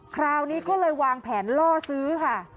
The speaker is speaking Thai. คราวนี้ก็เลยวางแผนล่อซื้อค่ะ